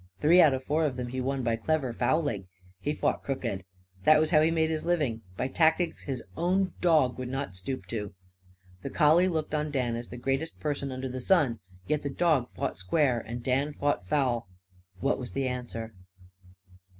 Three out of four of them he won by clever fouling. He fought crooked. That was how he made his living by tactics his own dog would not stoop to. The collie looked on Dan as the greatest person under the sun. Yet the dog fought square and Dan fought foul. What was the answer?